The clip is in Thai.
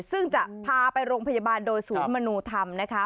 ซึ่งจะพาไปโรงพยาบาลโดยศูนย์มนุธรรมนะคะ